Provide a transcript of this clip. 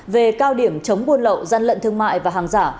về cao điểm chống buôn lậu gian lận thương mại và hàng giả